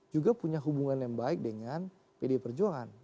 juga punya hubungan yang baik dengan pd perjuangan